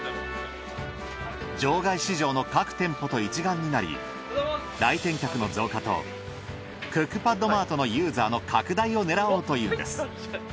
場外市場の各店舗と一丸になり来店客の増加とクックパッドマートのユーザーの拡大を狙おうというんです。